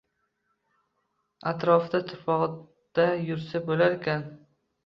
atrofida tuproqda yursa bo‘larkan